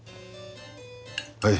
はい。